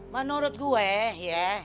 menurut gue ya